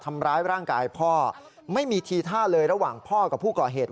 ทำร้ายร่างกายพ่อไม่มีทีท่าเลยระหว่างพ่อกับผู้ก่อเหตุ